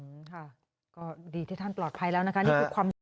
ค่ะก็ดีที่ท่านปลอดภัยแล้วนะคะนี่คือความสุข